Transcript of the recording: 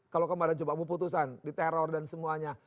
kalau kemarin coba memutusan di teror dan semuanya